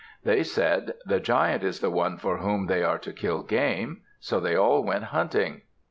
They said, "The Giant is the one for whom they are to kill game." So they all went hunting.